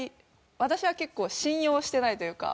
私は結構信用してないというか。